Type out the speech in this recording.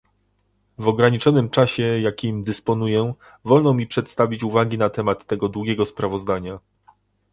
W ograniczonym czasie, jakim dysponuję, wolno mi przedstawić uwagi na temat tego długiego sprawozdania